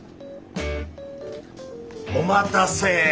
お待たせ。